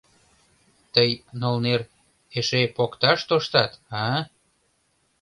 — Тый, нолнер, эше покташ тоштат, а?!